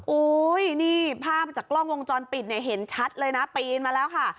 อุ้ยนี่ภาพจากกล้องวงจรปิดเนี่ยเห็นชัดเลยนะปีนมาแล้วค่ะ